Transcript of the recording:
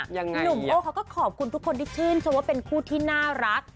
หนุ่มโอ้เขาก็ขอบคุณทุกคนที่ชื่นชมว่าเป็นคู่ที่น่ารัก